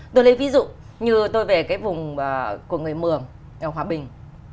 tôi lấy ví dụ như tôi về cái vùng của người mường ở hòa bình